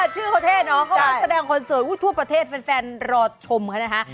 ชื่อเขาเท่เนาะเขาแสดงคอนเสิร์ตทั่วประเทศแฟนรอชมเขานะคะ